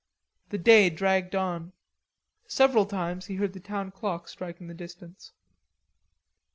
The day dragged on. Several times he heard the town clock strike in the distance.